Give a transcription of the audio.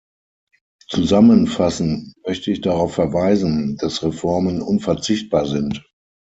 Zusammenfassend möchte ich darauf verweisen, dass Reformen unverzichtbar sind.